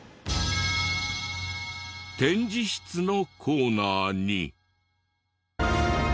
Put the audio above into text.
展示室のコーナーに。